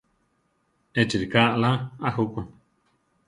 Échi ríka aʼlá a juku.